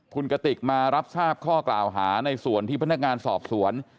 คุณกติกมารับทราบข้อกล่าวหาในส่วนที่พนักงานสอบสวน